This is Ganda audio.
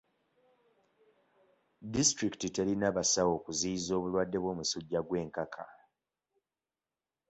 Disitulikiti terina basawo kuziyiza obulwadde bw'omusujja gw'enkaka.